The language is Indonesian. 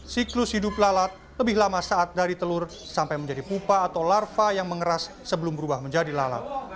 siklus hidup lalat lebih lama saat dari telur sampai menjadi pupa atau larva yang mengeras sebelum berubah menjadi lalat